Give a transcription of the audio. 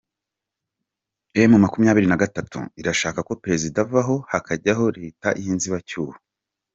Emu makumyabiri nagatatu irashaka ko perezida avaho hakajyaho Leta y’inzibacyuho